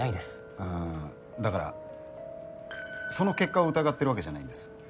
うんだからその結果を疑ってるわけじゃないんです。